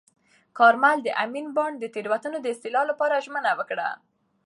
کارمل د امین بانډ د تېروتنو د اصلاح لپاره ژمنه وکړه.